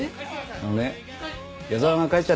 あのね矢沢が帰っちゃったから。